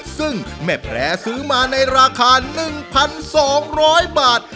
ซึ่งแม่แพร่ซื้อมาในราคา๑๒๐๐บาท